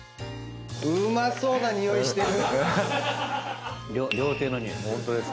うまそうな匂いしてる！